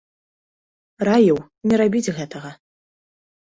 Раіў не рабіць гэтага.